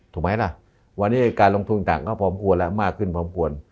ถูกไหมล่ะวันนี้การลงทุนต่างก็พร้อมควรแล้วมากขึ้นพร้อมควร